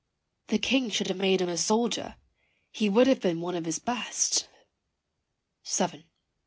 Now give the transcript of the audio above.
The King should have made him a soldier, he would have been one of his best. VII.